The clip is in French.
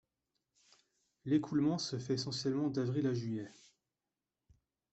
L'écoulement se fait essentiellement d'avril à juillet.